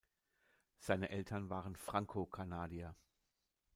Seine Eltern waren Franko-Kanadier.